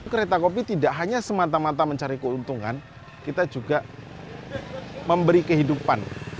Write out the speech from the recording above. kereta kopi tidak hanya semata mata mencari keuntungan kita juga memberi kehidupan